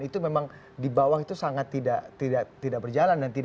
itu memang di bawah itu sangat tidak berjalan